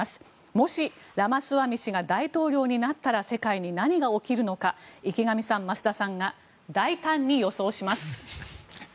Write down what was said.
もしラマスワミ氏が大統領になったら世界に何が起きるのか池上さん、増田さんが大胆に予想します。